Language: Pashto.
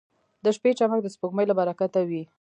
• د شپې چمک د سپوږمۍ له برکته وي.